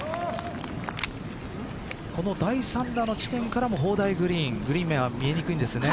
この第３打の地点からも砲台グリーングリーン面は見えないんですよね。